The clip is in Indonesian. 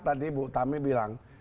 tadi ibu tame bilang